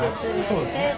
そうですね。